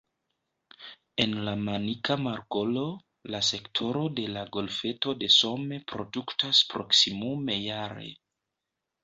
En la Manika Markolo, la sektoro de la Golfeto de Somme produktas proksimume jare.